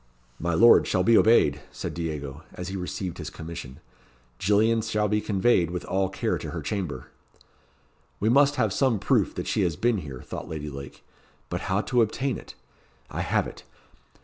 "My lord shall be obeyed," said Diego, as he received his commission. "Gillian shall be conveyed with all care to her chamber." "We must have some proof that she has been here," thought Lady Lake. But how to obtain it? I have it.